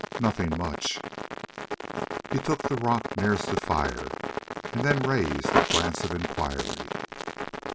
"Nothing much." He took the rock nearest the fire and then raised a glance of inquiry.